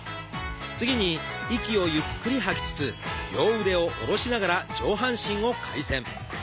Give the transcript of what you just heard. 次に息をゆっくり吐きつつ両腕を下ろしながら上半身を回旋。